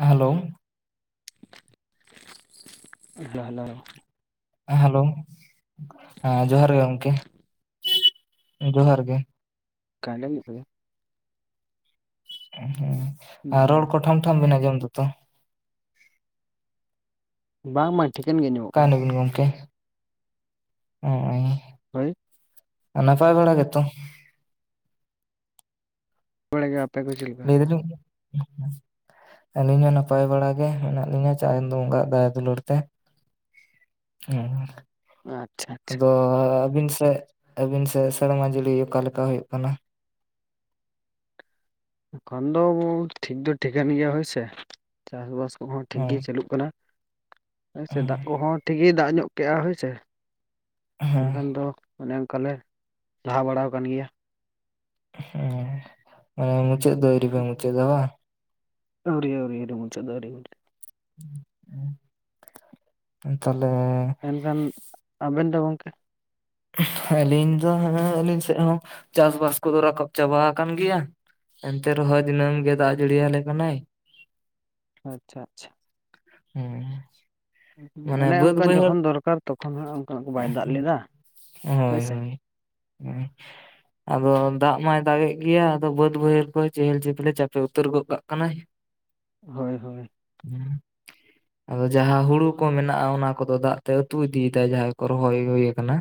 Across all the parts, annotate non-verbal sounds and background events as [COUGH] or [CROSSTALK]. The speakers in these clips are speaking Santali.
ᱦᱮᱞᱳ ᱦᱮᱞᱳ ᱦᱮᱞᱳ ᱦᱮᱞᱳ ᱦᱮᱸ ᱡᱚᱦᱟᱨ ᱜᱮ ᱜᱚᱝᱠᱮ, ᱡᱚᱦᱟᱨ ᱜᱮ ᱠᱮ ᱟᱸᱡᱚᱢᱚᱜ ᱠᱟᱱᱟ ᱦᱩᱸ ᱟᱨ ᱡᱚᱦᱟᱨ ᱨᱚᱲ ᱜᱮ ᱠᱚ ᱴᱷᱟᱢ ᱴᱷᱟᱢ ᱵᱮᱱ ᱟᱡᱚᱢ ᱫᱚᱛᱚ ᱵᱟᱝ ᱵᱟᱝ ᱴᱷᱤᱠᱟᱹᱱ ᱜᱮ ᱟᱸᱚᱢᱚᱜ ᱚᱠᱟᱭ ᱱᱟ ᱵᱤᱱ ᱜᱚᱝᱠᱮ ᱱᱚᱼᱚᱭ ᱦᱳᱭ ᱱᱟᱯᱟᱭ ᱵᱟᱲᱟ ᱜᱮ ᱛᱚ ᱵᱟᱲᱟ ᱜᱮ ᱵᱟᱯᱮ ᱠᱚ ᱪᱮᱞᱤᱜ [UNINTELLIGIBLE] ᱟᱹᱞᱤᱧ ᱦᱚᱸ ᱱᱟᱯᱟᱭ ᱵᱟᱲᱟ ᱜᱮ ᱢᱮᱱᱟᱜ ᱞᱤᱧᱟᱹ ᱪᱟᱸᱫᱚ ᱵᱚᱸᱜᱟᱣᱟᱜ ᱫᱟᱭᱟ ᱫᱩᱞᱟᱹᱲ ᱛᱮ ᱦᱩᱸ ᱟᱪᱪᱷᱟ ᱟᱪᱪᱷᱟ ᱟᱫᱚ ᱟᱹᱵᱤᱱ ᱥᱮᱫ, ᱟᱹᱵᱤᱱ ᱥᱮᱫ ᱥᱮᱲᱢᱟ ᱡᱚᱲᱤ ᱚᱠᱟ ᱞᱮᱠᱟ ᱦᱩᱭᱩᱜ ᱠᱟᱱᱟ ᱠᱷᱚᱱ ᱫᱚ ᱵᱟᱵᱩ ᱴᱷᱤᱠ ᱫᱚ ᱴᱷᱤᱠᱟᱹᱱ ᱜᱮᱭᱟ ᱦᱚᱭᱥᱮ ᱪᱟᱥᱵᱟᱥ ᱠᱚᱦᱚᱸ ᱴᱷᱤᱠ ᱦᱮᱸ ᱜᱮ ᱪᱟᱹᱞᱩᱜ ᱠᱟᱱᱟ ᱦᱚᱭ ᱥᱮ ᱫᱟᱜ ᱠᱚᱦᱚᱸ ᱴᱷᱤᱠ ᱜᱮ ᱫᱟᱜ ᱧᱚᱜ ᱠᱮᱜᱼᱟ ᱦᱳᱭ ᱥᱮ ᱦᱮᱸ ᱮᱱᱠᱷᱟᱱ ᱫᱚ ᱚᱱᱮ ᱚᱱᱠᱟ ᱞᱮ ᱞᱟᱦᱟ ᱵᱟᱲᱟ ᱟᱠᱟᱱ ᱜᱮᱭᱟ ᱦᱮᱸ ᱢᱩᱪᱮᱫ ᱫᱟ. ᱭ ᱟᱣᱨᱤ ᱟᱣᱨᱤ ᱢᱩᱪᱮᱫ ᱫᱚ ᱛᱟᱦᱞᱮ ᱮᱱᱠᱷᱟᱱ ᱟᱵᱮᱱ ᱫᱚ ᱜᱚᱢᱠᱮ ᱟᱹᱞᱤᱧ ᱫᱚ ᱦᱮᱸ ᱟᱹᱞᱤᱧ ᱥᱮᱫ ᱦᱚᱸ ᱪᱟᱥᱵᱟᱥ ᱠᱚᱫᱚ ᱨᱟᱠᱟᱵ ᱪᱟᱵᱟ ᱟᱠᱟᱱ ᱜᱮᱭᱟ ᱮᱱᱛᱮ ᱨᱮᱦᱚᱭ ᱫᱤᱱᱟᱹᱢ ᱜᱮ ᱫᱟᱜ ᱡᱟᱹᱲᱤ ᱟᱞᱮ ᱠᱟᱱᱟᱭ ᱟᱪᱪᱷᱟ ᱟᱪᱪᱷᱟ ᱦᱩᱸ ᱚᱱᱮ ᱚᱱᱠᱟ ᱡᱚᱠᱷᱚᱱ ᱫᱚᱨᱠᱟᱨ ᱛᱚᱠᱷᱚᱱ ᱦᱟᱜ ᱚᱱᱠᱟᱱᱟᱜ ᱠᱚ ᱵᱟᱭ ᱫᱟᱜ ᱞᱮᱫᱟ ᱦᱳᱭ ᱥᱮ ᱟᱫᱚ ᱫᱟᱜ ᱢᱟᱭ ᱫᱟᱜᱮ ᱜᱮᱭᱟ ᱟᱫᱚ ᱵᱟᱹᱫ ᱵᱟᱹᱭᱦᱟᱹᱲ ᱠᱚ ᱪᱮᱦᱮᱞ ᱪᱮᱯᱮᱞᱮ ᱪᱟᱯᱮ ᱩᱛᱟᱹᱨ ᱜᱚᱫ ᱠᱟᱜ ᱠᱟᱱᱟᱭ ᱦᱳᱭ ᱦᱳᱭ ᱟᱫᱚ ᱡᱟᱦᱟᱸ ᱦᱩᱲᱩ ᱠᱚ ᱢᱮᱱᱟᱜᱼᱟ ᱚᱱᱟ ᱠᱚᱫᱚ ᱫᱟᱜ ᱛᱮ ᱟᱹᱛᱩ ᱤᱫᱤ ᱫᱟᱭ ᱡᱟᱦᱟ ᱠᱚ ᱨᱚᱦᱚᱭ ᱦᱩᱭ ᱟᱠᱟᱱᱟ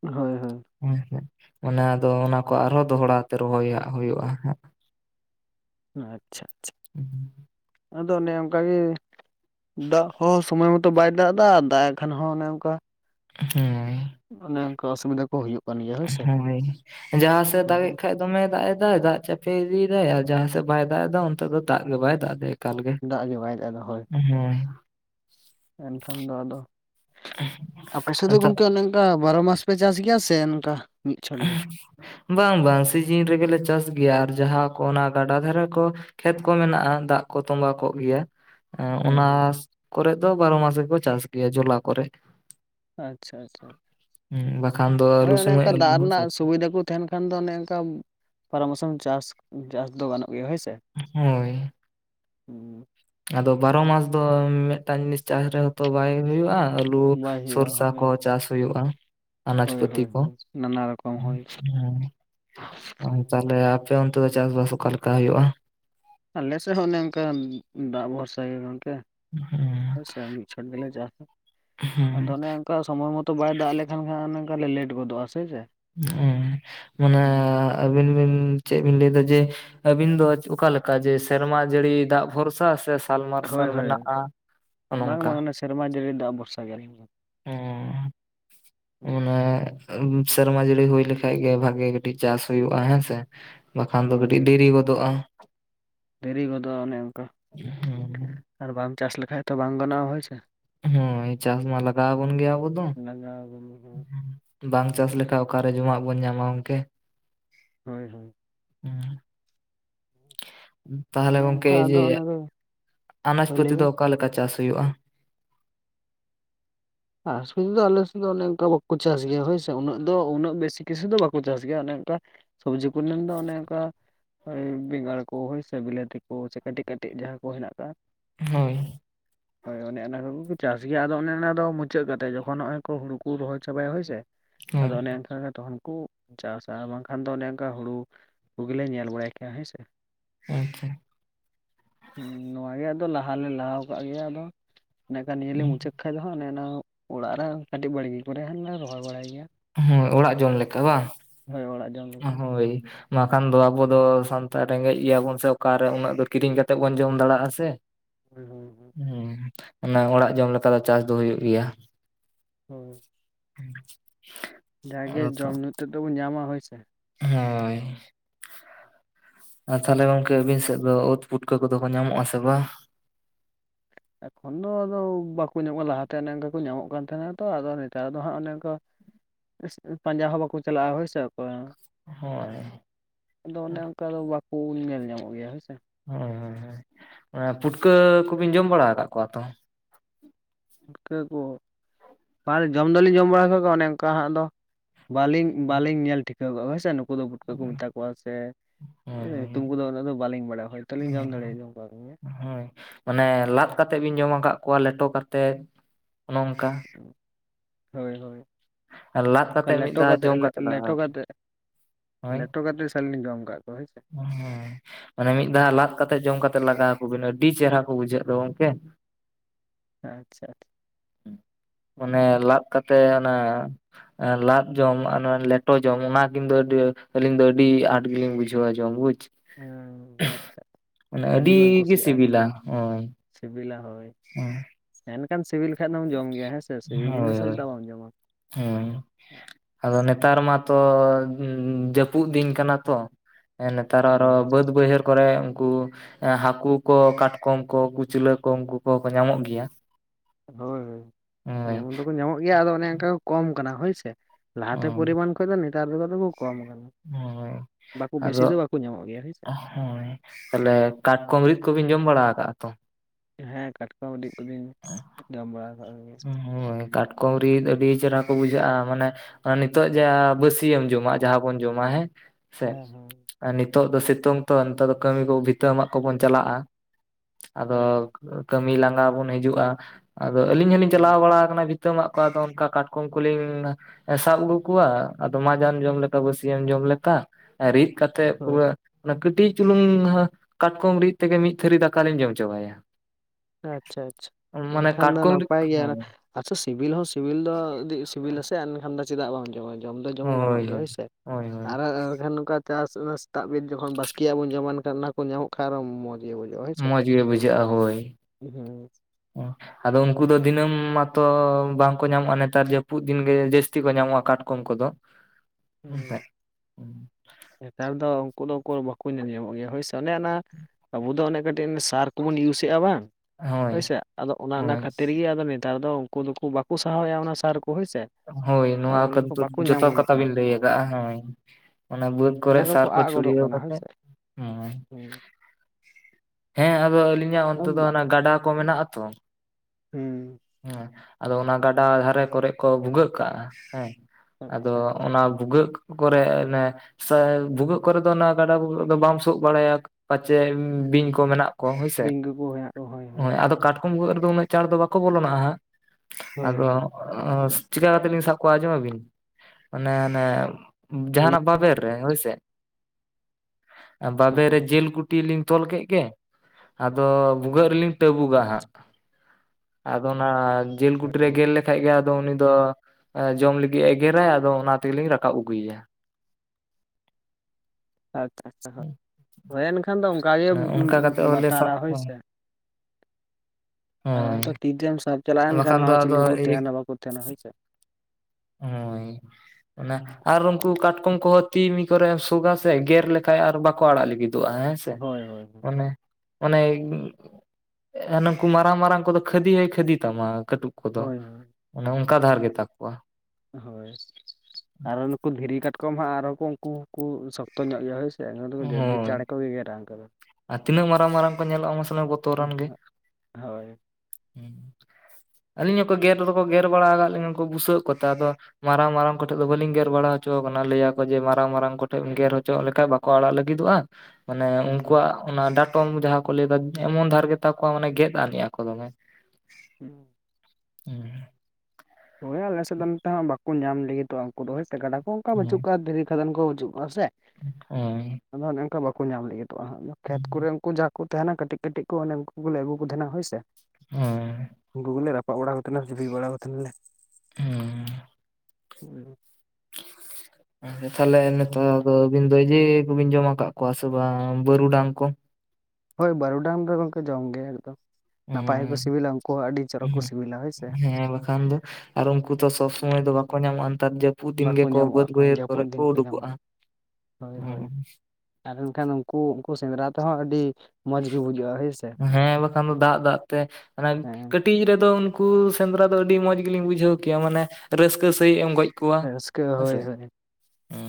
ᱦᱳᱭ ᱦᱳᱭ ᱚᱱᱮ ᱟᱫᱚ ᱚᱱᱟ ᱠᱚ ᱟᱨᱦᱚᱸ ᱫᱚᱦᱲᱟ ᱛᱮ ᱨᱚᱦᱚᱭᱟ ᱟᱜ ᱦᱩᱭᱩᱜᱼᱟ ᱦᱟᱸᱜ ᱟᱪᱷᱟ ᱟᱪᱷᱟ ᱟᱫᱚ ᱚᱱᱮ ᱚᱱᱠᱟ ᱜᱮ ᱫᱟᱜ ᱦᱚᱸ ᱥᱚᱢᱚᱭ ᱢᱚᱛᱚ ᱵᱟᱭ ᱫᱟᱜ ᱮᱫᱟ ᱟᱨ ᱫᱟᱜ ᱮᱜ ᱠᱷᱟᱱ ᱦᱚᱸ ᱚᱱᱮ ᱚᱱᱠᱟ ᱦᱩᱸ ᱟᱱᱮ ᱚᱱᱠᱟ ᱚᱥᱩᱵᱤᱫᱟ ᱠᱚ ᱦᱩᱭᱩᱜ ᱠᱟᱱ ᱜᱮᱭᱟ ᱦᱳᱭᱥᱮ ᱦᱳᱭ ᱡᱟᱦᱟᱸ ᱥᱮᱫ ᱫᱟᱜᱮᱜ ᱟᱫᱚ ᱠᱷᱟᱜ ᱫᱚᱢᱮ ᱫᱟᱜ ᱮᱫᱟᱭ ᱫᱟᱜ ᱪᱟᱯᱮ ᱤᱫᱤᱭᱮᱫᱟᱭ ᱟᱨ ᱡᱟᱦᱟᱸ ᱥᱮᱫ ᱵᱟᱭ ᱫᱟᱜ ᱮᱫᱟ ᱚᱱᱛᱮ ᱫᱚ ᱫᱟᱜ ᱜᱮ ᱵᱟᱭ ᱫᱟᱜ ᱮᱫ ᱫᱟᱜ ᱜᱮ ᱵᱟᱭ ᱫᱟᱜ ᱮᱫᱟ ᱦᱳᱭ ᱦᱮᱸ ᱮᱱᱠᱷᱟᱱ ᱫᱚ ᱟᱫᱚ ᱟᱯᱮᱥᱮᱫ ᱫᱚ ᱜᱚᱝᱠᱮ ᱚᱱᱠᱟ ᱵᱟᱨᱚ ᱢᱟᱥ ᱯᱮ ᱪᱟᱥ ᱜᱮᱭᱟ ᱥᱮ ᱚᱱᱠᱟ ᱢᱤᱫ ᱪᱷᱚᱴ ᱜᱮ ᱵᱟᱝ ᱵᱟᱝ ᱥᱤᱡᱤᱱ ᱨᱮᱜᱮᱞᱮ ᱪᱟᱥ ᱜᱮᱭᱟ ᱟᱨ ᱡᱟᱦᱟᱸ ᱠᱚ ᱚᱱᱟ ᱜᱟᱰᱟ ᱫᱷᱟᱨᱟ ᱠᱚ ᱠᱷᱮᱛ ᱠᱚ ᱢᱮᱱᱟᱜᱼᱟ ᱫᱟᱜ ᱠᱚ ᱛᱚᱸᱵᱟ ᱠᱚᱜ ᱜᱮᱭᱟ ᱦᱳᱭ ᱚᱱᱟ ᱦᱳᱭ ᱠᱚᱨᱮ ᱫᱚ ᱵᱟᱨᱚ ᱢᱟᱥ ᱜᱮᱠᱚ ᱪᱟᱥ ᱜᱮᱭᱟ ᱡᱚᱞᱟ ᱠᱚᱨᱮ ᱟᱪᱪᱷᱟ ᱟᱪᱪᱷᱟ ᱵᱟᱠᱷᱟᱱ ᱫᱚ ᱦᱳᱭ ᱟᱹᱞᱩ ᱚᱱᱮ ᱥᱚᱢᱚᱭ ᱚᱱᱠᱟ ᱦᱚᱸ ᱪᱟᱥ ᱨᱮᱱᱟᱜ ᱥᱩᱵᱤᱫᱟ ᱠᱚ ᱛᱟᱦᱮᱱ ᱠᱷᱟᱱ ᱫᱚ ᱚᱱᱮ ᱚᱱᱠᱟ ᱵᱟᱨᱚᱢᱟᱥᱮᱢ ᱪᱟᱥ ᱪᱟᱥ ᱫᱚ ᱜᱟᱱᱚᱜ ᱜᱮᱭᱟ ᱦᱳᱭ ᱥᱮ ᱦᱳᱭ ᱦᱩᱸ ᱟᱫᱚ ᱵᱟᱨᱚ ᱢᱟᱥ ᱫᱚ ᱢᱤᱫᱴᱟᱝ ᱡᱤᱱᱤᱥ ᱪᱟᱥ ᱨᱮᱦᱚᱛᱚ ᱵᱟᱭ ᱦᱩᱭᱩᱜᱼᱟ᱾ ᱟᱹᱞᱩ ᱵᱟᱭ ᱦᱩᱭᱩᱜᱼᱟ ᱥᱚᱨᱥᱟ ᱦᱳᱭ ᱠᱚ ᱪᱟᱥ ᱦᱩᱭᱩᱜᱼᱟ ᱟᱱᱟᱡ ᱦᱳᱭ ᱯᱟᱹᱛᱤ ᱦᱳᱭ ᱠᱚ ᱦᱳᱭ ᱱᱟᱱᱟ ᱨᱚᱠᱚᱢ ᱦᱳᱭ ᱛᱟᱦᱞᱮ ᱟᱯᱮ ᱚᱱᱛᱮ ᱫᱚ ᱪᱟᱥ ᱵᱟᱥ ᱚᱠᱟ ᱞᱮᱠᱟ ᱦᱩᱭᱩᱜᱼᱟ ᱟᱞᱮ ᱥᱮᱫ ᱦᱚᱸ ᱚᱱᱮ ᱚᱱᱠᱟ ᱫᱟᱜ ᱵᱷᱚᱨᱥᱟ ᱜᱮ ᱜᱚᱢᱠᱮ ᱦᱩᱸ ᱦᱮᱸ ᱥᱮ [UNINTELLIGIBLE] ᱦᱩᱸ ᱟᱫᱚ ᱚᱱᱮ ᱚᱱᱠᱟ ᱥᱚᱢᱚᱭ ᱢᱚᱛᱚ ᱵᱟᱭ ᱫᱟᱜ ᱟᱞᱮᱠᱷᱟᱱ ᱠᱷᱟᱱ ᱚᱱᱮ ᱚᱝᱠᱟ ᱞᱮ ᱞᱮᱴ ᱜᱚᱫᱚᱜᱼᱟ ᱥᱮ ᱪᱮ ᱢᱟᱱᱮ ᱟᱹᱵᱤᱱ ᱵᱤᱱ ᱪᱮᱫ ᱵᱤᱱ ᱞᱟᱹᱭ ᱮᱫᱟ ᱡᱮ ᱟᱹᱵᱤᱱ ᱫᱚ ᱚᱠᱟ ᱞᱮᱠᱟ ᱡᱮ ᱥᱮᱨᱢᱟ ᱡᱟᱹᱲᱤ ᱫᱟᱜ ᱵᱷᱚᱨᱥᱟ ᱥᱮ ᱥᱟᱞ ᱦᱳᱭ ᱢᱟᱨᱥᱟᱞ ᱦᱳᱭ ᱢᱮᱱᱟᱜᱼᱟ ᱵᱟᱝ ᱚᱱᱚᱝᱠᱟ ᱵᱟᱝ ᱚᱱᱟ ᱥᱮᱨᱢᱟ ᱡᱟᱹᱲᱤ ᱫᱟᱜ ᱵᱷᱚᱨᱥᱟ ᱜᱮ ᱟᱹᱞᱤᱧ ᱦᱚᱸ ᱚᱱᱟ ᱥᱮᱨᱢᱟ ᱡᱟᱹᱲᱤ ᱦᱩᱭ ᱞᱮᱠᱷᱟᱡ ᱜᱮ ᱵᱷᱟᱜᱮ ᱠᱟᱹᱴᱤᱡ ᱪᱟᱥ ᱦᱩᱭᱩᱜᱼᱟ ᱦᱮᱸ ᱥᱮ ᱵᱟᱠᱷᱟᱱ ᱫᱚ ᱠᱟᱹᱴᱤᱡ ᱫᱤᱨᱤ ᱜᱚᱫᱚᱜᱼᱟ᱾ ᱫᱤᱨᱤ ᱜᱚᱫᱚᱜᱼᱟ ᱚᱱᱮ ᱚᱱᱠᱟ ᱟᱨ ᱵᱟᱢ ᱪᱟᱥ ᱞᱮᱠᱷᱟᱡ ᱛᱚ ᱵᱟᱝ ᱜᱟᱱᱚᱜᱼᱟ ᱦᱳᱭ ᱥᱮ ᱦᱳᱭ ᱪᱟᱥ ᱢᱟ ᱞᱟᱜᱟᱣ ᱟᱵᱚᱱ ᱜᱮᱭᱟ ᱟᱵᱚ ᱫᱚ ᱞᱟᱜᱟᱣ ᱟᱵᱚᱱᱟ ᱦᱳᱭ ᱵᱟᱝ ᱪᱟᱥ ᱞᱮᱠᱷᱟ ᱚᱠᱟᱨᱮ ᱡᱚᱢᱟᱜ ᱵᱚᱱ ᱧᱟᱢᱟ ᱜᱚᱝᱠᱮ ᱦᱚᱭ ᱦᱚᱭ ᱦᱮᱸ [UNINTELLIGIBLE] ᱛᱟᱦᱚᱞᱮ ᱚᱱᱮ ᱜᱚᱝᱠᱮ ᱚᱱᱠᱟ ᱟᱫᱚ ᱡᱮ ᱚᱱᱮ ᱫᱚ ᱦᱳᱭ ᱞᱟᱹᱭ ᱟᱱᱟᱡᱯᱟᱹᱛᱤ ᱫᱚ ᱵᱮᱱ ᱚᱠᱟᱞᱮᱠᱟ ᱪᱟᱥ ᱦᱩᱭᱩᱜᱼᱟ ᱟᱨᱩ ᱫᱚ ᱟᱞᱮᱥᱮᱫ ᱫᱚ ᱚᱱᱮ ᱚᱱᱠᱟ ᱵᱟᱠᱚ ᱪᱟᱥ ᱜᱮᱭᱟ ᱦᱚᱭ ᱥᱮ ᱩᱱᱟᱹᱜ ᱫᱚ ᱩᱱᱟᱹᱜ ᱵᱮᱥᱤ ᱠᱤᱪᱷᱩ ᱫᱚ ᱵᱟᱠᱚ ᱪᱟᱥ ᱜᱮᱭᱟ ᱚᱱᱮ ᱚᱱᱠᱟ ᱥᱚᱵᱽᱡᱤ ᱠᱚ ᱞᱮᱱ ᱫᱚ ᱚᱱᱮᱠᱟ ᱳ ᱵᱮᱸᱜᱟᱲ ᱠᱚ ᱦᱚᱭ ᱥᱮ ᱵᱤᱞᱟᱹᱛᱤ ᱠᱚ ᱥᱮ ᱠᱟᱹᱴᱤᱡ ᱠᱟᱹᱴᱤᱡ ᱡᱟᱦᱟᱸ ᱠᱚ ᱦᱮᱱᱟᱜ ᱟᱠᱟᱜ ᱦᱚᱭ ᱦᱚᱭ ᱚᱱᱮ ᱚᱱᱟ ᱠᱚᱜᱮ ᱠᱚ ᱪᱟᱥ ᱜᱮᱭᱟ ᱟᱫᱚ ᱚᱱᱮ ᱚᱱᱟ ᱫᱚ ᱤᱪᱟᱹᱜ ᱠᱟᱛᱮ ᱡᱚᱠᱷᱚᱱ ᱱᱚᱜ ᱚᱭ ᱠᱚ ᱦᱩᱲᱩ ᱠᱚ ᱨᱚᱦᱚᱭ ᱪᱟᱵᱟᱭᱟ ᱦᱚᱭ ᱥᱮ ᱟᱫᱚ ᱦᱳᱭ ᱚᱱᱮ ᱚᱱᱠᱮ ᱛᱚᱠᱷᱚᱱ ᱠᱚ ᱪᱟᱥᱟ ᱵᱟᱝᱠᱷᱟᱱ ᱫᱚ ᱚᱱᱮ ᱚᱱᱠᱟ ᱦᱩᱲᱩ ᱠᱚᱜᱮᱞᱮ ᱧᱮᱞ ᱵᱟᱲᱟᱭ ᱠᱮᱭᱟ ᱦᱮᱸ ᱥᱮ ᱟᱪᱷᱟ ᱦᱩᱸ ᱱᱚᱣᱟ ᱜᱮ ᱟᱫᱚ ᱞᱟᱦᱟᱞᱮ ᱞᱟᱦᱟ ᱠᱟᱜ ᱜᱮᱭᱟ ᱟᱫᱚ ᱢᱮᱱᱠᱷᱟᱱ ᱱᱤᱭᱟᱹᱤ ᱦᱩᱸ ᱢᱩᱪᱟᱹᱫ ᱥᱤᱠᱷᱟ ᱫᱚ ᱚᱱᱮ ᱚᱱᱟ ᱚᱲᱟᱜ ᱨᱮ ᱠᱟᱹᱴᱤᱡ ᱵᱟᱲᱜᱮ ᱠᱚᱨᱮ ᱦᱚᱸ ᱨᱚᱦᱚᱭ ᱵᱟᱲᱟᱭ ᱜᱮᱭᱟ ᱦᱮᱸ ᱚᱲᱟᱜ ᱡᱚᱢ ᱞᱮᱠᱟ ᱵᱟᱝ ᱦᱚᱭ ᱚᱲᱟᱜ ᱡᱚᱝ ᱚ ᱦᱚᱭ ᱢᱟᱠᱷᱟᱱ ᱫᱚ ᱟᱵᱚ ᱫᱚ ᱥᱟᱱᱛᱟᱲ ᱨᱮᱸᱜᱮᱡ ᱜᱮᱭᱟᱵᱚᱱ ᱥᱮ ᱚᱠᱟᱨᱮ ᱩᱱᱟᱹᱜ ᱫᱚ ᱠᱤᱨᱤᱧ ᱠᱟᱛᱮᱜ ᱵᱚᱱ ᱡᱚᱢ ᱫᱟᱲᱮᱭᱟᱜᱼᱟ ᱥᱮ ᱦᱳᱭ ᱦᱳᱭ ᱦᱳᱭ ᱦᱮᱸ ᱚᱱᱟ ᱚᱲᱟᱜ ᱡᱚᱢ ᱞᱮᱠᱟ ᱫᱚ ᱪᱟᱥ ᱫᱚ ᱦᱩᱭᱩᱜ ᱜᱮᱭᱟ ᱦᱮᱸ ᱦᱮᱸ [UNINTELLIGIBLE] ᱡᱟᱜᱮ ᱡᱚᱢ ᱧᱩᱩ ᱛᱮᱫᱚ ᱵᱚᱱ ᱧᱟᱢᱟ ᱦᱚᱭ ᱥᱮ ᱦᱳᱭ ᱟᱨ ᱛᱟᱦᱞᱮ ᱜᱚᱝᱠᱮ ᱟᱵᱤᱱ ᱥᱮᱫ ᱫᱚ ᱚᱛ ᱯᱩᱴᱠᱟᱹ ᱠᱚᱫᱚ ᱠᱚ ᱧᱟᱢᱚᱜ ᱟᱥᱮ ᱵᱟᱝ ᱮᱠᱷᱚᱱ ᱫᱚ ᱟᱫᱚ ᱵᱟᱠᱚ ᱧᱟᱢᱚᱜᱼᱟ ᱞᱟᱦᱟᱛᱮ ᱚᱱᱮ ᱚᱱᱠᱟ ᱠᱚ ᱧᱟᱢᱚᱜ ᱠᱟᱱ ᱛᱟᱦᱮᱱᱟ ᱛᱚ ᱟᱫᱚ ᱱᱮᱛᱟᱨ ᱫᱚ ᱦᱟᱸᱜ ᱚᱱᱮ ᱚᱱᱠᱟ ᱯᱟᱸᱡᱟ ᱦᱚᱸ ᱵᱟᱠᱚ ᱪᱟᱞᱟᱜᱼᱟ ᱦᱚᱭᱥᱮ ᱚᱠᱚᱭ ᱦᱳᱭ ᱟᱫᱚ ᱦᱳᱭ ᱚᱱᱮ ᱚᱱᱠᱟ ᱫᱚ ᱵᱟᱠᱚ ᱧᱮᱞ ᱧᱟᱢᱚᱜ ᱜᱮᱭᱟ ᱦᱮᱸ ᱦᱮᱸ ᱦᱸ ᱚᱱᱟ ᱯᱷᱩᱴᱠᱟᱹ ᱠᱚᱵᱤᱱ ᱡᱚᱢ ᱵᱟᱲᱟ ᱟᱠᱟᱫ ᱠᱚᱣᱟ ᱛᱚ ᱯᱩᱴᱠᱟᱹ ᱠᱚ ᱵᱟᱦ ᱡᱚᱢ ᱫᱚᱞᱤᱧ ᱡᱚᱢ ᱵᱟᱲᱟ ᱠᱟᱜ ᱠᱚᱣᱟ ᱚᱱᱮ ᱚᱱᱠᱟ ᱦᱟᱸᱜ ᱫᱚ ᱵᱟᱹᱞᱤᱧ ᱵᱟᱹᱞᱤᱧ ᱧᱮᱞ ᱴᱷᱤᱠᱟᱹ ᱠᱚᱟᱜᱼᱟ ᱦᱮᱭᱥᱮ ᱱᱩᱠᱩ ᱫᱚ ᱯᱷᱩᱴᱠᱟᱹ ᱠᱚ ᱢᱮᱛᱟ ᱠᱚᱣᱟ ᱥᱮ ᱧᱩᱛᱩᱢ ᱦᱳᱭ ᱠᱚ ᱫᱚ ᱩᱱᱟᱹ ᱫᱚ ᱵᱟᱞᱤᱧ ᱵᱟᱟᱭ ᱦᱚᱳ ᱭ ᱛᱚᱞᱤᱧ ᱡᱟᱢ ᱦᱳᱭ ᱫᱟᱲᱮᱭᱟᱜᱼᱟ ᱚᱱᱠᱟ ᱦᱳᱭ ᱢᱟᱱᱮ ᱞᱟᱫ ᱠᱟᱛᱮᱫ ᱵᱤᱱ ᱡᱚᱢ ᱟᱠᱟᱫ ᱠᱚᱣᱟ ᱞᱮᱴᱚ ᱠᱟ ᱠᱟᱛᱮᱜ ᱚᱱᱮ ᱚᱱᱠᱟ ᱦᱚᱭ ᱞᱟᱫ ᱦᱚᱭ ᱠᱟᱛᱮᱜ ᱢᱤᱫ ᱞᱮᱴᱚ ᱫᱷᱟᱣ ᱠᱟᱛᱮᱫ ᱡᱚᱢ ᱠᱟᱛᱮ ᱞᱮᱴᱚ ᱞᱟᱜᱟᱣ ᱠᱟᱛᱮᱫ ᱦᱳᱭ ᱞᱮᱴᱚ ᱠᱟᱛᱮᱫ ᱟᱞᱤᱧ ᱡᱚᱢ ᱟᱠᱟᱫ ᱠᱚ ᱦᱚᱭ ᱥᱮ ᱦᱮᱸ ᱢᱟᱱᱮ ᱢᱤᱫ ᱫᱷᱟᱣ ᱞᱟᱫ ᱠᱟᱛᱮᱫ ᱡᱚᱢ ᱠᱟᱛᱮ ᱞᱟᱜᱟᱣᱚᱵᱤᱱ ᱟᱹᱰᱤ ᱪᱮᱦᱨᱟ ᱠᱚ ᱵᱩᱡᱷᱟᱹᱜ ᱫᱚ ᱜᱚᱝᱠᱮ ᱟᱪᱷᱟ ᱚᱱᱮ ᱞᱟᱫ ᱠᱟᱛᱮᱜ ᱚᱱᱟ ᱞᱟᱫ ᱡᱚᱢ ᱟᱨ ᱞᱮᱴᱚ ᱡᱚᱢ ᱚᱱᱟ ᱠᱤᱱ ᱫᱚ ᱟᱹᱞᱤᱧ ᱫᱚ ᱟᱹᱰᱤ ᱟᱸᱴ ᱜᱮᱞᱤᱧ ᱵᱩᱡᱷᱟᱹᱣᱟ ᱡᱚᱢ ᱵᱩᱡ ᱦᱩᱸ ᱟᱪᱪᱷᱟ ᱢᱟᱱᱮ ᱟᱹᱰᱤ ᱜᱮᱵᱮᱱ ᱜᱮ ᱠᱩᱥᱤᱭᱟᱜᱼᱟ ᱥᱤᱵᱤᱞᱟ ᱦᱳ ᱥᱤᱵᱤᱞᱟ ᱦᱚ ᱦᱮᱸ ᱮᱱᱠᱷᱟᱱ ᱥᱤᱵᱤᱞ ᱞᱮᱠᱟᱱᱡ ᱫᱚᱢ ᱡᱚᱢ ᱜᱮᱭᱟ ᱦᱮᱸ ᱥᱮ ᱥᱤᱵᱤᱞ ᱡᱤᱱᱤᱥᱮᱫᱟᱜ ᱵᱟᱢ ᱡᱚᱢᱟ ᱦᱮᱸ ᱟᱫᱚ ᱱᱮᱛᱟᱨ ᱢᱟᱛᱚ ᱡᱟᱹᱯᱩᱫ ᱫᱤᱱ ᱠᱟᱱᱟ ᱛᱚ ᱦᱮ ᱱᱮᱛᱟᱨ ᱟᱨᱚ ᱦᱳᱭ ᱵᱟᱹᱫ ᱵᱟᱹᱭᱦᱟᱹᱲ ᱠᱚᱨᱮ ᱩᱱᱠᱩ ᱦᱟᱹᱠᱩ ᱠᱚ ᱠᱟᱴᱠᱚᱢ ᱠᱚ ᱠᱩᱪᱞᱟᱹ ᱠᱚ ᱩᱱᱠᱩ ᱠᱚᱦᱚᱸ ᱠᱚ ᱧᱟᱢᱚᱜ ᱜᱮᱭᱟ ᱦᱚᱭ ᱦᱚᱭ ᱦᱳᱭ ᱧᱟᱢᱚ ᱫᱚᱠᱚ ᱧᱟᱢᱚᱜ ᱜᱮᱭᱟ ᱟᱫᱚ ᱚᱱᱮ ᱚᱱᱠᱟ ᱠᱚ ᱠᱚᱢ ᱠᱟᱱᱟ ᱦᱚᱭ ᱥᱮᱼᱼ ᱞᱟᱦᱟ ᱛᱮ ᱦᱳᱭ ᱯᱚᱨᱤ ᱢᱟᱱ ᱠᱷᱚᱡ ᱫᱚ ᱱᱮᱛᱟᱨ ᱫᱚ ᱟᱫᱚ ᱠᱚ ᱠᱚᱢ ᱠᱟᱱᱟ ᱾ ᱦᱚᱸ ᱟᱫᱚ ᱜᱮᱭᱟ ᱦᱳᱭ ᱥᱮ [UNINTELLIGIBLE] ᱼᱼ ᱦᱚᱭ, ᱛᱟᱦᱚᱞᱮ ᱠᱟᱴ ᱠᱚᱢ ᱨᱤᱫ ᱠᱚᱵᱤᱱ ᱡᱚᱢ ᱵᱟᱲᱟ ᱟᱠᱟᱫ-ᱟ ᱛᱚ? ᱦᱮᱸ ᱠᱟᱴᱠᱚᱢ ᱨᱤᱫ ᱠᱚᱫᱩᱧ ᱡᱚᱢ ᱵᱟᱲᱟ ᱟᱠᱟᱫ ᱜᱮᱭᱟ ᱾ ᱦᱳᱭ ᱠᱟᱴᱠᱚᱢ ᱨᱤᱫ ᱟᱹᱰᱤ ᱪᱮᱦᱨᱟ ᱠᱚ ᱵᱩᱡᱷᱟᱹᱜᱼᱟ ᱢᱟᱱᱮ ᱱᱤᱛᱚᱜ ᱡᱟ [UNINTELLIGIBLE] ᱼᱼ ᱵᱟᱹᱥᱭᱟᱹᱢ ᱡᱚᱢᱟᱜ ᱡᱟᱦᱟᱸ ᱵᱚᱱ ᱡᱚᱢᱟ ᱦᱮᱸ ᱥᱮ ᱦᱮᱸ ᱦᱮᱸ ᱟᱨ ᱱᱤᱛᱚᱜ ᱫᱚ ᱥᱤᱛᱩᱝ ᱛᱚ ᱱᱤᱛᱚᱜ ᱫᱚ ᱠᱟᱹᱢᱤ ᱠᱚ ᱵᱷᱤᱛᱟᱹ ᱢᱟᱜ ᱠᱚᱵᱚᱱ ᱪᱟᱞᱟᱜᱼᱟ ᱾ ᱟᱫᱚ ᱦᱳᱭ ᱠᱟᱹᱢᱤ ᱞᱟᱸᱜᱟ ᱵᱚᱱ ᱦᱤᱡᱩᱜᱼᱟ ᱟᱫᱚ ᱟᱹᱞᱤᱧ ᱦᱚᱞᱤᱧ ᱦᱳᱭ ᱪᱟᱞᱟᱣ ᱵᱟᱲᱟ ᱟᱠᱟᱱᱟ ᱵᱷᱤᱛᱟᱹ ᱢᱟᱜ ᱠᱚ ᱟᱫᱚ ᱚᱱᱠᱟ ᱠᱟᱴᱠᱚᱢ ᱠᱚᱞᱤᱧ ᱥᱟᱵ ᱟᱹᱜᱩ ᱠᱚᱣᱟ ᱟᱫᱚ ᱢᱟᱡᱟᱱ ᱡᱚᱢ ᱞᱮᱠᱟ ᱵᱟᱹᱥᱭᱟᱢ ᱡᱚᱢ ᱞᱮᱠᱟ ᱨᱤᱫ ᱠᱟᱛᱮᱜ ᱦᱳᱭ ᱯᱩᱨᱟᱹᱼᱼ ᱚᱱᱟ ᱠᱟᱹᱴᱤᱡ ᱪᱩᱞᱩᱝ ᱠᱟᱴᱠᱚᱢ ᱨᱤᱫ ᱛᱮᱜᱮ ᱢᱤᱫ ᱛᱷᱟᱹᱨᱤ ᱫᱟᱠᱟ ᱞᱤᱧ ᱡᱚᱢ ᱪᱟᱵᱟᱭᱟ ᱾ ᱟᱪᱪᱷᱟ ᱟᱪᱪᱷᱟ᱾ ᱮᱱᱠᱷᱟᱱ ᱫᱚ ᱠᱟᱴᱠᱚᱢ ᱨᱤᱫ ᱱᱟᱯᱟᱭ ᱜᱮᱭᱟ᱾ ᱦᱮᱸ ᱟᱪᱪᱷᱟ ᱥᱤᱵᱤᱞ ᱦᱚᱸ ᱥᱤᱵᱤᱞ ᱫᱚ ᱥᱤᱵᱤᱞᱟᱥᱮ ᱮᱱᱠᱷᱟᱱ ᱫᱚ ᱪᱮᱫᱟᱜ ᱵᱟᱢ ᱡᱚᱢᱟ ᱾ ᱡᱚᱢ ᱫᱚ ᱡᱚᱢ ᱦᱳᱭ ᱜᱟᱱᱚᱜ ᱜᱮᱭᱟ ᱦᱳᱭ ᱦᱳᱭᱥᱮ ᱦᱳᱭ ᱦᱳᱭ ᱟᱨ ᱮᱠᱷᱟᱱ ᱱᱚᱝᱠᱟ ᱪᱟᱥ ᱵᱟᱥ [UNINTELLIGIBLE] ᱡᱚᱠᱷᱚᱱ ᱵᱟᱥᱠᱮᱭᱟᱜ ᱵᱚᱱ ᱡᱚᱢᱟᱱ ᱠᱷᱟᱱ ᱚᱱᱟ ᱠᱚ ᱧᱟᱢᱚᱜ ᱠᱷᱟᱱ ᱟᱨᱚ ᱢᱚᱡᱽ ᱜᱮ ᱵᱩᱡᱷᱟᱹᱜᱼᱟ ᱾ ᱢᱚᱡᱽ ᱜᱮ ᱵᱩᱡᱷᱟᱹᱜᱼᱟ ᱦᱳᱭ ᱾ [UNINTELLIGIBLE] ᱦᱮᱸ᱾ [INAUDIBLE] ᱚᱼᱼ ᱟᱫᱚ ᱩᱱᱠᱩ ᱫᱚ ᱫᱤᱱᱟᱹᱢ ᱢᱟᱛᱚ ᱵᱟᱝᱠᱚ ᱧᱟᱢᱚᱜᱼᱟ ᱱᱮᱛᱟᱨ ᱡᱟᱹᱯᱩᱫ ᱫᱤᱱ ᱜᱮ ᱡᱟᱹᱥᱛᱤ ᱠᱚ ᱧᱟᱢᱚᱜᱼᱟ ᱠᱟᱴᱠᱚᱢ ᱠᱚᱫᱚ ᱼᱼ [UNINTELLIGIBLE] ᱼᱼ [UNINTELLIGIBLE] ᱦᱮᱸ᱾ ᱱᱮᱛᱟᱨ ᱫᱚ ᱩᱱᱠᱩ ᱫᱚᱠᱚ ᱵᱟᱠᱚ ᱧᱮᱞ ᱧᱟᱢᱚᱜ ᱜᱮᱭᱟ ᱦᱳᱭᱥᱮ ᱚᱱᱮ ᱚᱱᱟ ᱟᱵᱚ ᱫᱚ ᱚᱱᱮ ᱠᱟᱹᱴᱤᱡ ᱥᱟᱨ ᱠᱚᱵᱚᱱ ᱤᱭᱩᱪᱮᱫ-ᱟ ᱵᱟᱝ ᱦᱳᱭ ᱦᱳᱭᱥᱮ ᱟᱫᱚ ᱚᱱᱟ ᱚᱱᱟ ᱦᱳᱭ ᱠᱷᱟᱹᱛᱤᱨ ᱜᱮ ᱟᱫᱚ ᱱᱮᱛᱟᱨ ᱫᱚ ᱩᱱᱠᱩ ᱫᱚᱠᱚ ᱵᱟᱠᱚ ᱥᱟᱦᱟᱣᱮᱜᱼᱟ ᱚᱱᱟ ᱥᱟᱨ ᱠᱚ ᱦᱳᱭᱥᱮᱼᱼ ᱦᱳᱭ ᱱᱚᱣᱟ ᱠᱚ ᱡᱚᱛᱚ ᱠᱟᱛᱷᱟ ᱵᱤᱱ ᱠᱟᱱᱟ ᱞᱟᱹᱭ ᱦᱳᱭ ᱟᱠᱟᱜᱼᱟ ᱦᱮᱸ ᱚᱱᱟ ᱵᱟᱹᱫᱽ ᱠᱚᱨᱮ ᱚᱱᱟ ᱥᱟᱨ ᱠᱚᱠᱚ ᱠᱚ ᱟᱫ ᱜᱚᱫᱚᱜ ᱪᱷᱩᱲᱟᱹᱣ ᱠᱟᱱᱟ ᱠᱟᱛᱮᱜ, ᱦᱳᱭᱥᱮ ᱦᱚᱸ ᱦᱩᱸ ᱦᱮᱸ ᱟᱫᱚ ᱟᱹᱞᱤᱧᱟᱜ ᱚᱱᱛᱮ ᱦᱩᱸ ᱫᱚ ᱚᱱᱟ ᱜᱟᱰᱟ ᱠᱚ ᱢᱮᱱᱟᱜ-ᱟ ᱛᱚ ᱾ [UNINTELLIGIBLE] ᱦᱮᱸ᱾ ᱦᱮᱸ ᱟᱫᱚ ᱚᱱᱟ ᱜᱟᱰᱟ ᱫᱷᱟᱨᱮ ᱠᱚᱨᱮ ᱠᱚ ᱵᱷᱩᱜᱟᱹᱜ ᱠᱟᱜᱼᱟ ᱦᱮᱸ ᱾ ᱟᱫᱚ ᱟᱪᱪᱷᱟ ᱚᱱᱟ ᱵᱷᱩᱜᱟᱹᱜ ᱠᱚᱨᱮ ᱚᱱᱮ ᱥᱮ ᱵᱷᱩᱜᱟᱹᱜ ᱠᱚᱨᱮ ᱫᱚ ᱚᱱᱟ ᱜᱟᱰᱟ ᱵᱷᱩᱜᱟᱹᱜ ᱫᱚ ᱵᱟᱢ ᱥᱳᱜ ᱵᱟᱲᱟᱭᱟ ᱯᱟᱪᱮᱢ ᱵᱤᱧ ᱠᱚ ᱢᱮᱱᱟᱜ ᱠᱚᱣᱟ ᱦᱳᱭᱥᱮ ᱵᱤᱝᱜᱩ ᱠᱚ ᱦᱮᱱᱟᱜ ᱠᱚ ᱦᱳᱭ [UNINTELLIGIBLE] ᱦᱳᱭ ᱦᱚᱭ ᱟᱫᱚ ᱠᱟᱴᱠᱚᱢᱼᱼ ᱠᱟᱴᱠᱚᱢ ᱵᱷᱩᱜᱟᱹᱜ ᱨᱮᱫᱚ ᱩᱱᱟᱹᱜ ᱪᱟᱲ ᱫᱚ ᱵᱟᱠᱚ ᱵᱚᱞᱚᱱᱟ ᱦᱟᱸᱜ ᱦᱳᱭ ᱟᱫᱚ ᱦᱳᱭ ᱪᱤᱠᱟ ᱠᱟᱛᱮᱜ ᱞᱤᱧ ᱥᱟᱵ ᱠᱚᱣᱟ ᱟᱸᱡᱚᱢᱟᱵᱤᱱ [UNINTELLIGIBLE] ᱚᱱᱮ ᱚᱱᱮ ᱞᱟᱹᱭ ᱡᱟᱦᱟᱱᱟᱜ ᱵᱟᱵᱮᱨ ᱨᱮ ᱦᱳᱭᱥᱮ ᱵᱟᱵᱮᱨ ᱨᱮ ᱡᱮᱞ ᱠᱩᱴᱤ ᱞᱤᱧ ᱛᱚᱞ ᱠᱮᱜ ᱜᱮ ᱟᱫᱚ ᱵᱷᱩᱜᱟᱹᱜ ᱨᱮᱞᱤᱧ ᱴᱟᱹᱵᱩᱜᱟ ᱦᱟᱸᱜ ᱾ ᱟᱫᱚ ᱚᱱᱟ ᱡᱮᱞ ᱠᱩᱴᱤᱨᱮ ᱜᱮᱨ ᱞᱮᱠᱷᱟᱡ ᱜᱮ ᱟᱫᱚ ᱩᱱᱤ ᱫᱚ ᱡᱚᱢ ᱞᱟᱹᱜᱤᱫ ᱮ ᱜᱮᱨᱟ ᱟᱫᱚ ᱚᱱᱟ ᱛᱮᱞᱤᱧ ᱨᱟᱠᱟᱵ ᱟᱹᱜᱩ ᱮᱭᱟ ᱾ ᱟᱪᱪᱷᱟ ᱟᱪᱪᱷᱟ ᱦᱳᱭ ᱾ ᱦᱳᱭ ᱮᱱᱠᱷᱟᱱ ᱫᱚ ᱚᱱᱠᱟᱜᱮ ᱚᱱᱠᱟ ᱠᱟᱛᱮᱜ [UNINTELLIGIBLE] ᱦᱚᱸᱞᱮ ᱵᱟᱛᱟᱨᱟ ᱥᱟᱵ ᱦᱳᱭ ᱠᱚᱣᱟ ᱥᱮᱼᱼ ᱦᱳᱭ ᱟᱫᱚ ᱛᱤᱛᱮᱢ ᱥᱟᱵ ᱪᱟᱞᱟᱜ-ᱟ ᱮᱱ ᱠᱷᱟᱱ ᱵᱟᱠᱷᱟᱱ ᱫᱚ ᱦᱚᱸ ᱟᱫᱚ ᱪᱤᱞᱤ ᱠᱩ ᱮᱭ ᱛᱟᱦᱮᱱᱟ ᱵᱟᱠᱚ ᱛᱟᱦᱮᱱᱟ ᱦᱳᱭᱥᱮ ᱾ ᱦᱳᱭ ᱚᱱᱟ ᱟᱨ ᱩᱱᱠᱩ ᱠᱟᱴᱠᱚᱢ ᱠᱚᱦᱚᱸ ᱛᱤ ᱢᱤ ᱠᱚᱨᱮᱢ ᱥᱩᱜᱟ ᱥᱮ ᱜᱮᱨ ᱞᱮᱠᱷ [UNINTELLIGIBLE] ᱼᱼ [UNINTELLIGIBLE] ᱠᱷᱟᱡ ᱟᱨ ᱵᱟᱠᱚ ᱟᱲᱟᱜ ᱞᱟᱹᱜᱤᱫᱚᱜᱼᱟ ᱦᱮᱸ ᱥᱮ ᱦᱳᱭ ᱦᱳᱭ ᱦᱳᱭ ᱚᱱᱮ ᱚᱱᱮ [UNINTELLIGIBLE] ᱩᱱᱩᱠᱩ ᱢᱟᱨᱟᱝ ᱢᱟᱨᱟᱝ ᱠᱚᱫᱚ ᱠᱷᱟᱹᱫᱤ ᱦᱚᱸᱭ ᱠᱷᱟᱹᱫᱤ ᱛᱟᱢᱟ ᱠᱟᱹᱴᱩᱵ ᱾ ᱦᱳᱭ [UNINTELLIGIBLE] ᱚᱱᱮ ᱚᱝᱠᱟ ᱫᱷᱟᱨ ᱜᱮ ᱛᱟᱠᱚᱣᱟ ᱾ ᱦᱳᱭ ᱟᱨ ᱩᱱᱩᱠᱩ ᱫᱷᱤᱨᱤ ᱠᱟᱴᱠᱚᱢ ᱦᱚᱸ ᱟᱨᱦᱚᱸ ᱠᱚ ᱩᱱᱠᱩ ᱦᱚᱸᱠᱚ ᱥᱚᱠᱛᱚ ᱧᱚᱜ ᱜᱮᱭᱟ ᱦᱳᱭ [UNINTELLIGIBLE] ᱟᱹᱰᱤ ᱦᱳᱭ ᱪᱟᱲ ᱠᱚ ᱜᱮᱜᱮᱨᱟ ᱩᱱᱠᱩ ᱫᱚ ᱾ ᱟᱨ ᱛᱤᱱᱟᱹᱜ ᱢᱟᱨᱟᱝ ᱢᱟᱨᱟᱝ ᱠᱚ ᱧᱮᱞᱚᱜᱼᱟ ᱢᱟᱥᱮ ᱵᱚᱛᱚᱨᱟᱱ ᱜᱮ ᱦᱳᱭ [UNINTELLIGIBLE] ᱦᱮᱸᱼᱼ ᱟᱹᱞᱤᱧ ᱦᱚᱸ ᱠᱚ ᱜᱮᱨ ᱫᱚᱠᱚ ᱜᱮᱨ ᱵᱟᱲᱟ ᱟᱠᱟᱫ ᱞᱤᱧᱟ ᱩᱱᱠᱩ ᱵᱩᱥᱟᱹᱜ ᱠᱚᱛᱮ ᱟᱫᱚ ᱢᱟᱨᱟᱝ ᱢᱟᱨᱟᱝ ᱠᱚ ᱴᱷᱮᱡ ᱫᱚ ᱵᱟᱹᱞᱤᱧ ᱜᱮᱨ ᱵᱟᱲᱟ ᱦᱚᱪᱚ ᱟᱠᱟᱱᱟ, ᱞᱟᱹᱭᱟᱠᱚ ᱡᱮ ᱢᱟᱨᱟᱝ ᱢᱟᱨᱟᱝ ᱠᱚᱴᱷᱮᱱ ᱜᱮᱨ ᱦᱚᱪᱚ ᱞᱮᱠᱷᱟᱡ ᱵᱟᱠᱚ ᱟᱲᱟᱜ ᱞᱟᱹᱜᱤᱫᱚᱜᱼᱟ ᱾ ᱢᱟᱱᱮ ᱩᱱᱼᱼ ᱦᱩᱸ ᱚᱱᱟ ᱰᱟᱴᱚᱢ ᱡᱟᱦᱟᱸ ᱠᱚ ᱞᱟᱹᱭᱫᱟ ᱮᱢᱚᱱ ᱫᱷᱟᱨ ᱜᱮᱛᱟ ᱠᱚᱣᱟ ᱢᱟᱱᱮ ᱜᱮᱫ ᱟᱱᱤᱡ ᱟᱠᱚ ᱫᱚᱢᱮ ᱾ ᱦᱩᱸ ᱾ ᱦᱩᱸ ᱾ ᱦᱳᱭ ᱟᱞᱮ ᱥᱮᱫ ᱫᱚ ᱱᱚᱛᱮ ᱦᱚᱸ ᱵᱟᱠᱚ ᱧᱟᱢ ᱞᱟᱹᱜᱤᱫᱚᱜᱼᱟ ᱩᱱᱠᱩ ᱫᱚ ᱥᱮ ᱜᱟᱰᱟ ᱠᱚ ᱚᱱᱠᱟ ᱵᱟᱹᱪᱩᱜ ᱠᱟᱜᱼᱟ ᱫᱷᱤᱨᱤᱼᱼ ᱠᱷᱟᱫᱟᱱ ᱠᱚ ᱵᱟᱹᱪᱩᱜᱼᱟ ᱥᱮ ᱾ ᱩᱸ ᱟᱫᱚ ᱚᱱᱮ ᱚᱝᱠᱟ ᱵᱟᱠᱚ ᱧᱟᱢ ᱞᱟᱹᱜᱤᱫᱚᱜᱼᱟ ᱦᱟᱸᱜ, ᱠᱷᱮᱛ ᱠᱚᱨᱮ ᱩᱱᱠᱩ ᱡᱟᱦᱟᱸᱼᱼ ᱠᱚ ᱛᱟᱦᱮᱱᱟ ᱠᱟᱹᱴᱤᱡ ᱠᱟᱹᱴᱤᱡ ᱠᱚ, ᱚᱱᱮ ᱩᱱᱠᱩ ᱠᱚᱞᱮ ᱟᱹᱜᱩ ᱠᱚ ᱛᱟᱦᱮᱱᱟ ᱦᱳᱭ ᱥᱮ ᱦᱩᱸ ᱾ ᱩᱱᱠᱩ ᱜᱮᱞᱮ ᱨᱟᱯᱩᱫᱼᱼ [UNINTELLIGIBLE] ᱵᱟᱲᱟ ᱠᱚ ᱛᱟᱦᱮᱱᱟᱞᱮ ᱾ ᱛᱟᱦᱞᱮ ᱱᱮᱛᱟᱨ ᱫᱚ ᱟᱹᱵᱤᱱ ᱫᱚ ᱡᱮ ᱠᱚ ᱵᱤᱱ ᱡᱚᱢ ᱟᱠᱟᱜ ᱠᱚᱣᱟ ᱥᱮ ᱵᱟᱝ ᱵᱟᱹᱨᱩᱰᱟᱝ ᱠᱚ? ᱦᱳᱭ ᱵᱟᱹᱨᱩᱰᱟᱝ ᱫᱚ ᱜᱚᱢᱠᱮ ᱡᱚᱢ ᱜᱮᱭᱟ ᱮᱠᱫᱚᱢ ᱼᱼ ᱠᱚ ᱦᱩᱸᱻ ᱥᱤᱵᱤᱞᱟ ᱦᱳᱭ ᱥᱮ ᱦᱮᱸ ᱵᱟᱠᱷᱟᱱ ᱫᱚ ᱟᱨ ᱩᱱᱠᱩ ᱛᱚ ᱥᱚᱵ ᱥᱚᱢᱚᱭ ᱫᱚ ᱵᱟᱼᱼ ᱠᱚ ᱧᱟᱢᱚᱜᱼᱟ ᱱᱮᱛᱟᱨ ᱡᱟᱹᱯᱩᱫ ᱫᱤᱱ ᱵᱟᱠᱚ ᱜᱮᱠᱚ ᱵᱟᱹᱫ ᱧᱟᱢᱚᱜᱼᱟ ᱵᱟᱹᱭᱦᱟᱹᱲ ᱠᱚᱨᱮ ᱡᱟᱹᱯᱩᱫ ᱠᱚ ᱫᱤᱱ ᱧᱟᱢᱚᱜᱼᱟ ᱩᱰᱩᱠᱚᱜᱼᱟ ᱾ ᱦᱳᱭ ᱦᱳᱭ ᱟᱨ ᱮᱱᱠᱷᱟᱱ ᱩᱱᱠᱩ ᱩᱱᱠᱩ ᱥᱮᱸᱫᱽᱨᱟ ᱛᱮᱦᱚᱸ ᱟᱹᱰᱤᱼᱼ ᱦᱮᱸ ᱵᱟᱠᱷᱟᱱ ᱫᱚ ᱫᱟᱜ ᱫᱟᱜ ᱛᱮ ᱚᱱᱮ ᱦᱮᱸ ᱠᱟᱹᱼᱼ ᱴᱤᱡ ᱨᱮᱫᱚ ᱩᱱᱠᱩ ᱥᱮᱸᱫᱽᱨᱟ ᱫᱚ ᱟᱹᱰᱤ ᱢᱚᱡᱽ ᱜᱮᱞᱤᱧ ᱵᱩᱡᱷᱟᱹᱣ ᱠᱮᱭᱟ ᱢᱟᱱᱮ ᱨᱟᱹᱥᱠᱟᱹ ᱥᱟᱺᱦᱤᱡ ᱮᱢ ᱜᱚᱡ ᱼᱼ ᱨᱟᱹᱥᱠᱟᱹ ᱦᱳᱭ ᱦᱳᱭ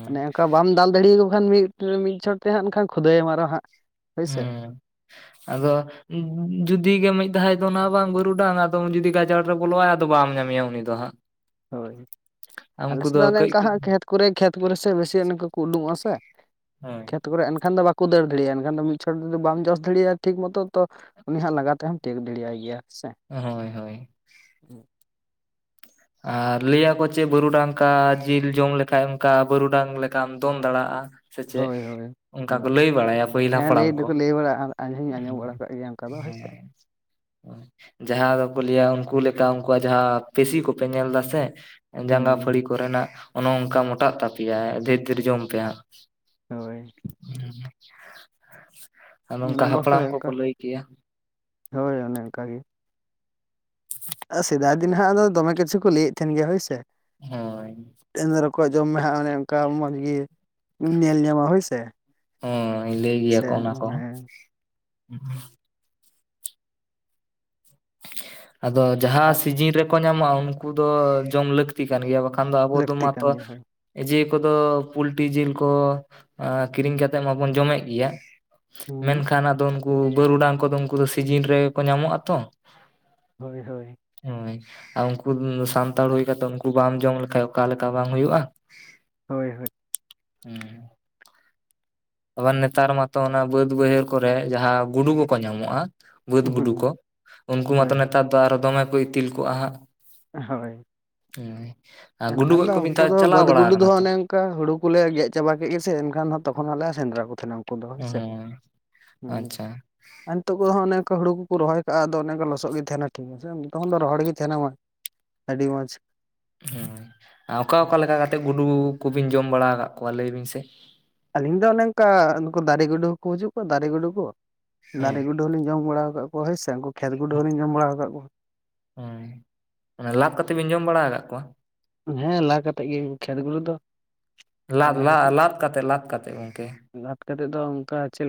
ᱚᱱᱮ ᱚᱱᱠᱟ ᱵᱟᱢ ᱫᱟᱞ ᱫᱟᱲᱤᱭᱟᱠᱚ ᱠᱷᱟᱱ ᱜᱮᱼᱼ ᱢᱤᱫ ᱪᱷᱚᱴ ᱛᱮ ᱦᱟᱸᱜ ᱮᱱᱠᱷᱟᱱ ᱠᱷᱩᱫᱟᱹᱭ ᱮᱢ ᱟᱨᱚ ᱦᱟᱸᱜ ᱦᱳᱭ ᱥᱮ ᱾ ᱟᱫᱚᱼᱼ ᱡᱩᱫᱤ ᱜᱮ ᱢᱤᱫ ᱫᱷᱟᱣᱮ ᱫᱚᱱᱟ ᱵᱟᱝ ᱵᱟᱹᱨᱩᱰᱟᱝ ᱟᱫᱚ ᱡᱩᱫᱤ ᱜᱟᱡᱟᱲ ᱨᱮ ᱵᱚᱞᱚᱜ ᱟᱭ ᱟᱫᱚ ᱵᱟᱢ ᱧᱟᱢᱮᱭᱟ ᱩᱱᱤ ᱫᱚ ᱦᱟᱸᱜ᱾ ᱦᱳᱭ ᱾ ᱟᱞᱮ ᱩᱱᱠᱩ ᱥᱮᱫ ᱫᱚ ᱚᱱᱮ ᱠᱟᱹᱡ ᱚᱱᱠᱟ ᱠᱟᱹᱡ ᱦᱟᱸᱜ ᱠᱷᱮᱛ ᱠᱚᱨᱮ ᱠᱷᱮᱛ ᱠᱚᱨᱮ ᱥᱮ ᱵᱮᱥᱤ ᱚᱱᱠᱟ ᱠᱚ ᱩᱰᱩᱝᱚᱜᱼᱟ ᱥᱮ ᱦᱳᱭ ᱠᱷᱮᱛᱼᱼ ᱛᱚ ᱠᱚᱨᱮ ᱮᱱᱠᱷᱟᱱ ᱫᱚ ᱵᱟᱠᱚ ᱫᱟᱹᱲ ᱫᱟᱲᱤᱭᱟᱜᱼᱟ ᱮᱱᱠᱷᱟᱱ ᱫᱚ ᱢᱤᱫ ᱪᱷᱚᱴ ᱡᱩᱫᱤ ᱵᱟᱢ ᱡᱚᱥ ᱫᱟᱲᱤᱭᱟ ᱴᱷᱤᱠ ᱢᱚᱛᱚ ᱛᱚ ᱼᱼ ᱩᱱᱤ ᱦᱟᱸᱜ ᱞᱟᱜᱟ ᱛᱮ ᱦᱚᱢ ᱛᱮᱭᱳᱜ ᱫᱟᱲᱮᱭᱟᱭ ᱜᱮᱭᱟ ᱦᱮᱸ ᱥᱮ ᱾ ᱦᱳᱭ ᱦᱳᱭ ᱾ [UNINTELLIGIBLE] ᱟᱨ ᱞᱟᱹᱭ ᱟᱠᱚ ᱪᱮ ᱵᱟᱹᱨᱩᱰᱟᱝ ᱠᱟ ᱡᱤᱞ ᱡᱚᱢ ᱞᱮᱠᱷᱟᱡ ᱚᱱᱠᱟ ᱵᱟᱹᱨᱩᱰᱟᱝ ᱞᱮᱠᱟᱢ ᱫᱚᱱ ᱫᱟᱲᱮᱭᱟᱜᱼᱟ ᱾ ᱥᱮ ᱪᱮᱫ ᱦᱳᱭ ᱦᱳᱭ ᱚᱱᱠᱟ ᱠᱚ ᱞᱟᱹᱭ ᱵᱟᱲᱟᱭᱟ ᱯᱟᱹᱦᱤᱞ ᱦᱮᱸ ᱦᱟᱯᱲᱟᱢ ᱞᱟᱹᱭ ᱠᱚ ᱫᱚᱠᱚ ᱞᱟᱹᱭ ᱵᱟᱲᱟᱜᱼᱟ ᱟᱸᱡᱚᱢ ᱦᱚᱧ ᱟᱸᱡᱚᱢ ᱵᱟᱲᱟ ᱠᱟᱜ ᱜᱮᱭᱟ ᱚᱱᱠᱟ ᱦᱚᱸᱼᱼ ᱫᱚ ᱦᱳᱭ ᱥᱮ [UNINTELLIGIBLE] ᱡᱟᱦᱟᱸ ᱫᱚᱠᱚ ᱞᱟᱹᱭᱟ ᱩᱱᱠᱩ ᱞᱮᱠᱟ ᱩᱱᱠᱩᱣᱟᱜ ᱡᱟᱦᱟᱸ ᱯᱮᱥᱤ ᱠᱚᱯᱮ ᱧᱮᱞ ᱫᱟ ᱥᱮ ᱾ ᱡᱟᱸᱜᱟ ᱯᱷᱟᱹᱲᱤ ᱦᱩᱸ ᱠᱚ ᱨᱮᱱᱟᱜ ᱚᱱᱮ ᱚᱝᱠᱟ ᱢᱳᱴᱟᱜ ᱛᱟᱯᱮᱭᱟ ᱰᱷᱮᱨ ᱰᱷᱮᱨ ᱡᱚᱢ ᱯᱮ ᱦᱟᱸᱜ ᱾ ᱦᱳᱭ [INAUDIBLE] ᱟᱨ ᱱᱚᱝᱠᱟ ᱚᱱᱮ ᱵᱟᱠᱚ ᱦᱟᱯᱲᱟᱢ ᱚᱱᱠᱟ ᱠᱚᱠᱚ ᱞᱟᱹᱭ ᱠᱮᱭᱟ᱾ ᱦᱳᱭ ᱚᱱᱮ ᱚᱝᱠᱟ ᱜᱮ ᱾ ᱥᱮᱫᱟᱭ ᱫᱤᱱ ᱦᱟᱸᱜ ᱫᱚ ᱫᱚᱢᱮ ᱠᱤᱪᱷᱩ ᱠᱚ ᱞᱟᱹᱭᱮᱫ ᱛᱟᱦᱮᱱ ᱜᱮᱭᱟ ᱦᱳᱭ ᱥᱮ ᱾ ᱦᱳᱭ ᱾ ᱛᱮᱦᱮᱧ ᱫᱚ ᱨᱚᱠᱚᱡ ᱡᱚᱢ ᱢᱮ ᱦᱟᱸᱜ ᱚᱱᱮ ᱚᱱᱠᱟ ᱢᱚᱡᱽ ᱜᱤᱼᱼ ᱧᱮᱞ ᱧᱟᱢᱟ ᱦᱳᱭ ᱥᱮ, ᱦᱳᱭ ᱞᱟᱹᱭ ᱜᱮᱭᱟ ᱥᱮᱼᱼ ᱠᱚ ᱚᱱᱟ ᱠᱚᱦᱚᱸ [UNINTELLIGIBLE] ᱟᱫᱚ ᱡᱟᱦᱟᱸ ᱟᱨ ᱥᱤᱡᱤᱱ ᱨᱮᱠᱚ ᱧᱟᱢᱚᱜᱼᱟ ᱩᱱᱠᱩ ᱫᱚ ᱡᱚᱢ ᱞᱟᱹᱠᱼᱼ ᱛᱤ ᱠᱟᱱ ᱜᱮᱭᱟ ᱵᱟᱠᱷᱟᱱ ᱫᱚ ᱟᱵᱚ ᱫᱚ ᱞᱟᱹᱠᱛᱤ ᱢᱟᱛᱚ ᱠᱟᱱ ᱜᱮᱭᱟ ᱦᱳᱭ ᱡᱮ ᱠᱚᱫᱚ ᱯᱩᱞᱴᱤ ᱡᱤᱞ ᱠᱚ ᱮᱸᱻ ᱠᱤᱨᱤᱧ ᱠᱟᱛᱮᱫ ᱢᱟᱵᱚᱱ ᱦᱩᱸ ᱡᱚᱢ ᱮᱫ ᱜᱮᱭᱟ ᱦᱩᱸ ᱢᱮᱱᱠᱷᱟᱱ ᱟᱫᱚ ᱼᱼ ᱩᱱᱠᱩ ᱵᱟᱹᱨᱩᱰᱟᱝ ᱠᱚᱫᱚ ᱩᱱᱠᱩ ᱫᱚ ᱥᱤᱡᱤᱱ ᱨᱮᱜᱮ ᱠᱚ ᱧᱟᱢᱚᱜᱼᱟ ᱛᱚ ᱾ ᱦᱳᱭ ᱦᱳᱭ ᱾ ᱦᱳᱭ ᱾ ᱟᱨ ᱩᱱᱠᱩ ᱥᱟᱱᱛᱟᱲ ᱦᱩᱭ ᱠᱟᱛᱮᱫ ᱩᱱᱠᱩ ᱵᱟᱢ ᱡᱚᱢ ᱞᱮᱠᱷᱟᱡ ᱚᱠᱟ ᱞᱮᱠᱟ ᱵᱟᱝ ᱦᱳᱭᱩᱜᱼᱟ ᱾ ᱦᱳᱭ ᱦᱳᱭ ᱾ ᱦᱩᱸᱼᱼ ᱟᱵᱟᱨ ᱱᱮᱛᱟᱨ ᱢᱟᱛᱚ ᱚᱱᱟ ᱵᱟᱹᱫ ᱵᱟᱹᱭᱦᱟᱹᱲ ᱠᱚᱨᱮ ᱡᱟᱦᱟᱸ ᱜᱩᱰᱩ ᱠᱚᱠᱚ ᱧᱟᱢᱚᱜ-ᱟ᱾ ᱵᱟᱹᱫᱽ ᱜᱩᱰᱩ ᱦᱩᱸ ᱠᱚ ᱩᱱᱠᱩ ᱦᱳᱭ ᱢᱟᱛᱚ ᱦᱳᱭ ᱱᱮᱛᱟᱨ ᱫᱚ ᱟᱨᱚ ᱫᱚᱢᱮ ᱠᱚ ᱤᱛᱤᱞ ᱠᱚᱜ-ᱟ ᱦᱟᱜ᱾ ᱦᱳᱭ [UNINTELLIGIBLE] ᱮᱱᱠᱷᱟᱱ ᱫᱚ ᱠᱚ ᱢᱤᱫ ᱩᱱᱠᱩ ᱫᱷᱟᱣ ᱫᱚ ᱪᱟᱞᱟᱣ ᱵᱟᱹᱫᱽ ᱵᱟᱲᱟ ᱜᱩᱰᱩ ᱫᱚ ᱟᱠᱟᱱᱟ ᱛᱚ ᱦᱩᱱᱟᱹᱝ᱾ ᱚᱱᱠᱟ ᱦᱩᱲᱩ ᱠᱚᱞᱮ ᱜᱮᱫ ᱪᱟᱵᱟ ᱠᱮᱫ ᱜᱮ ᱥᱮ ᱮᱱᱠᱷᱟᱱ ᱛᱚᱠᱷᱚᱱ ᱟᱞᱮ ᱥᱮᱸᱫᱽᱨᱟ ᱠᱚ ᱛᱟᱦᱮᱱᱟ᱾ ᱯᱳᱱ ᱫᱚᱦᱚ ᱵᱤᱱ ᱥᱮ ᱦᱳᱭ ᱦᱩᱸ᱾ ᱟᱪᱪᱷᱟ ᱟᱨ ᱱᱤᱛᱚᱜ ᱠᱚᱫᱚ ᱚᱱᱮᱠᱟ ᱦᱩᱲᱩ ᱠᱚ ᱠᱚ ᱨᱚᱦᱚᱭ ᱠᱟᱜ-ᱟ ᱟᱫᱚ ᱚᱱᱮᱠᱟ ᱞᱚᱥᱚᱫ ᱜᱮ ᱛᱟᱦᱮᱱᱟ ᱴᱷᱤᱠᱟᱪᱮ ᱛᱚᱠᱷᱚᱱ ᱫᱚ ᱨᱚᱦᱚᱲ ᱜᱮ ᱛᱟᱦᱮᱱᱟ ᱢᱟ᱾ ᱟᱹᱰᱤ ᱢᱚᱡᱽ᱾ ᱦᱮᱸ ᱚᱠᱟ ᱚᱠᱟ ᱞᱮᱠᱟ ᱠᱟᱛᱮᱜ ᱜᱩᱰᱩ ᱠᱚᱵᱤᱱ ᱡᱚᱢ ᱵᱟᱲᱟ ᱟᱠᱟᱫ ᱠᱚᱣᱟ ᱞᱟᱹᱭ ᱵᱤᱱ ᱥᱮ? ᱟᱹᱞᱤᱧ ᱫᱚ ᱚᱱᱮ ᱚᱱᱠᱟ ᱱᱩᱠᱩ ᱫᱟᱨᱮ ᱜᱩᱰᱩ ᱦᱚᱸᱠᱚ ᱦᱤᱡᱩᱜ ᱠᱚ ᱫᱟᱨᱮ ᱜᱩᱰᱩ ᱠᱚ ᱦᱳᱭ ᱫᱟᱨᱮ ᱜᱩᱰᱩ ᱜᱩᱰᱩ ᱦᱚᱞᱤᱧ ᱡᱚᱢ ᱵᱟᱲᱟ ᱟᱠᱟᱫ ᱠᱚᱣᱟ ᱦᱳᱭ ᱥᱮ ᱩᱱᱠᱩ ᱠᱷᱮᱛ ᱜᱩᱰᱩ ᱦᱚᱞᱤᱧ ᱡᱚᱢ ᱵᱟᱲᱟᱣ ᱠᱟᱜ ᱠᱚᱣᱟ᱾ ᱦᱮᱸ ᱞᱟᱸᱫᱽ ᱠᱟᱛᱮ ᱵᱤᱱ ᱡᱚᱢ ᱵᱟᱲᱟ ᱟᱠᱟᱫ ᱠᱚᱣᱟ? ᱦᱮᱸ ᱞᱟᱠᱟᱛᱮᱫ ᱜᱮ ᱠᱷᱮᱛ ᱜᱩᱰᱩ ᱫᱚ᱾ ᱞᱟᱫ ᱞᱟ ᱞᱟᱫ ᱠᱟᱛᱮᱫ ᱞᱟᱫ ᱠᱟᱛᱮ ᱞᱟᱫ ᱠᱟᱛᱮᱫ ᱜᱚᱢᱠᱮ᱾ ᱞᱟᱫ ᱠᱟᱛᱮᱫ ᱫᱚ ᱚᱱᱠᱟ ᱪᱮᱞᱮ